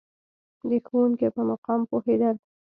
د ښوونکي په مقام پوهېدل.